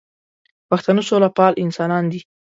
پښتانه سوله پال انسانان دي